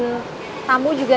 neng nanti aku nunggu